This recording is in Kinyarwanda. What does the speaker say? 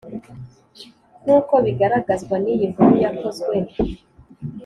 Nk uko bigaragazwa n iyi nkuru yakozwe